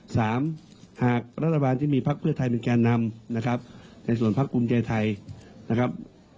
หากรัฐบาลที่มีพักเพื่อไทยเป็นแก่นำนะครับในส่วนพักภูมิใจไทยนะครับ